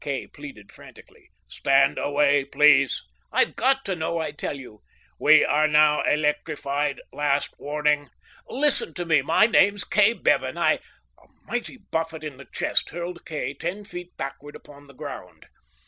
Kay pleaded frantically. "Stand away, please!" "I've got to know, I tell you!" "We are now electrified. Last warning!" "Listen to me. My name's Kay Bevan. I " A mighty buffet in the chest hurled Kay ten feet backward upon the ground.